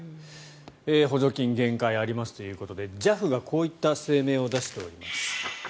補助金限界がありますということでＪＡＦがこういった声明を出しております。